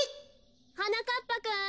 ・はなかっぱくん。